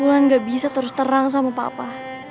pulang gak bisa terus terang sama papa